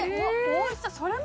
⁉おいしそう。